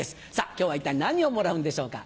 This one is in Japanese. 今日は一体何をもらうんでしょうか？